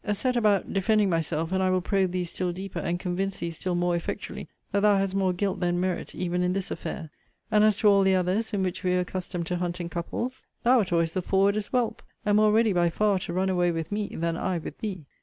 Set about defending myself, and I will probe thee still deeper, and convince thee still more effectually, that thou hast more guilt than merit even in this affair. And as to all the others, in which we were accustomed to hunt in couples, thou wert always the forwardest whelp, and more ready, by far, to run away with me, than I with thee.